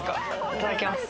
いただきます。